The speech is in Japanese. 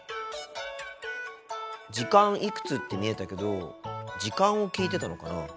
「時間いくつ」って見えたけど時間を聞いてたのかな？